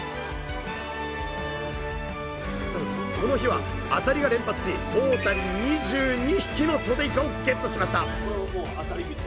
この日は当たりが連発しトータル２２匹のソデイカをゲットしました！